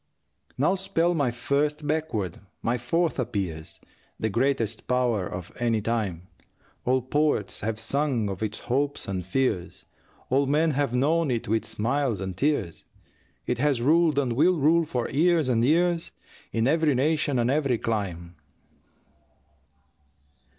Now spell my first backward, my fourth appears, The greatest power of any time. All poets have sung of its hopes and fears, All men have known it with smiles and tears, It has ruled and will rule for years and years In every nation and every clime.